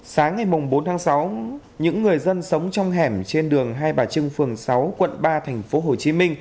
sáng ngày bốn tháng sáu những người dân sống trong hẻm trên đường hai bà trưng phường sáu quận ba tp hcm